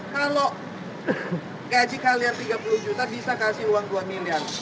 kalau gaji kalian tiga puluh juta bisa kasih uang dua miliar